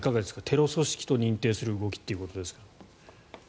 テロ組織と認定する動きということですが。